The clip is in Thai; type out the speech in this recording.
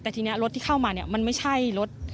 แต่ทีนี้รถที่เข้ามาเนี่ยมันไม่ใช่รถ